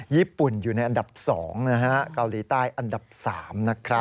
ญี่ปุ่นอยู่ในอันดับสองกาวลีใต้อันดับสามนะครับ